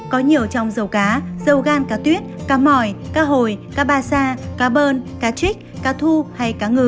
có nhiều trong dầu cá dầu gan cá tuyết cá mỏi cá hồi cá ba sa cá bơn cá trích cá thu hay cá ngừ